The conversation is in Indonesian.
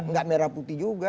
tidak merah putih juga